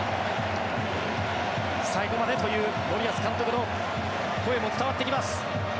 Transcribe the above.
最後までという森保監督の声も伝わってきます。